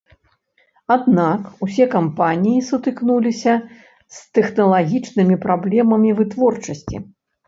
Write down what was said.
Аднак усе кампаніі сутыкнуліся з тэхналагічнымі праблемамі вытворчасці.